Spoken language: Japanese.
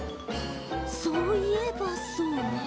そういえばそうねえ。